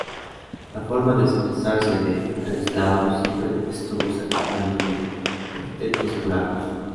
La forma de expresarse de Stanislaus siempre estuvo salpicado de epítetos polacos.